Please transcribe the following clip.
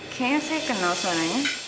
kayaknya saya kenal suaranya